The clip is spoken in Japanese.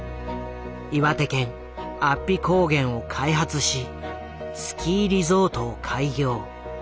岩手県安比高原を開発しスキーリゾートを開業。